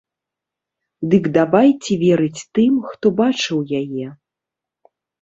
Дык давайце верыць тым, хто бачыў яе.